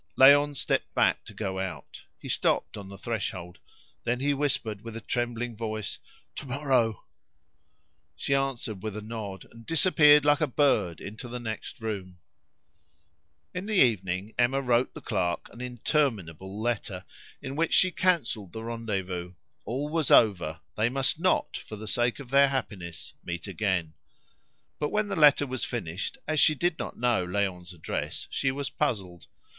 Léon stepped back to go out. He stopped on the threshold; then he whispered with a trembling voice, "Tomorrow!" She answered with a nod, and disappeared like a bird into the next room. In the evening Emma wrote the clerk an interminable letter, in which she cancelled the rendezvous; all was over; they must not, for the sake of their happiness, meet again. But when the letter was finished, as she did not know Léon's address, she was puzzled.